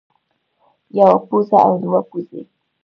يوه پوزه او دوه پوزې